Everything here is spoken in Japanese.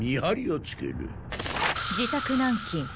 自宅軟禁。